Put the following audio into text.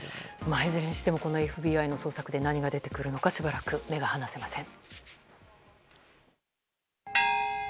いずれにしてもＦＢＩの捜索で何が出てくるのかしばらく目が離せません。